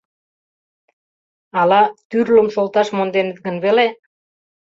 Ала, тӱрлым шолташ монденыт гын веле.